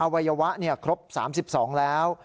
วัยวะครบ๓๒แล้ว